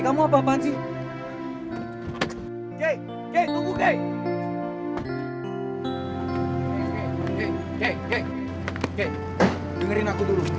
kei dengerin aku dulu